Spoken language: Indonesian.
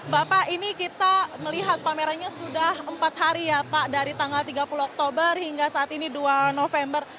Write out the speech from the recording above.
bapak ini kita melihat pamerannya sudah empat hari ya pak dari tanggal tiga puluh oktober hingga saat ini dua november